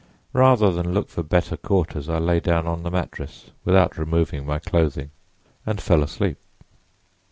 Rather than look for better quarters I lay down on the mattress without removing my clothing and fell asleep.